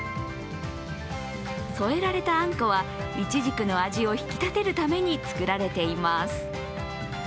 添えられたあんこはいちじくの味を引き立てるために作られています。